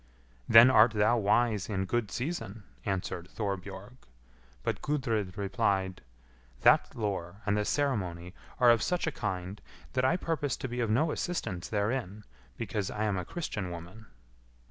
"Then art thou wise in good season," answered Thorbjorg; but Gudrid replied, "That lore and the ceremony are of such a kind, that I purpose to be of no assistance therein, because I am a Christian woman."